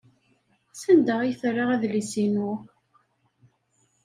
Sanda ay terra adlis-inu?